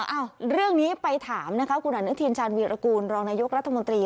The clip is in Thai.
เอ้าเรื่องนี้ไปถามนะคะคุณอนุทินชาญวีรกูลรองนายกรัฐมนตรี